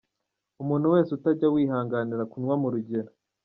Umuntu wese utajya wihanganira kunywa mu rugero.